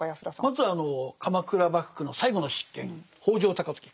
まずは鎌倉幕府の最後の執権北条高時。